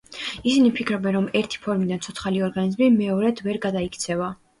ისინი ფიქრობენ, რომ ერთი ფორმიდან ცოცხალი ორგანიზმი მეორედ ვერ გადაიქცევა.